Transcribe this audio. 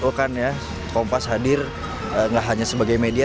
oh kan ya kompas hadir nggak hanya sebagai media